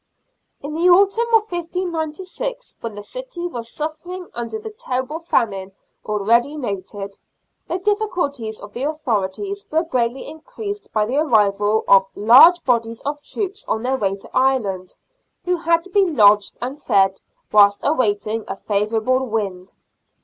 In the autumn of 1596, when the city was suffering under the terrible famine already noted,* the difficulties of the authorities were greatly increased by the arrival of large bodies of troops on their way to Ireland, who had to be lodged and fed whilst awaiting a favourable wind.